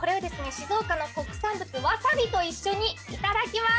静岡の特産物わさびと一緒にいただきます！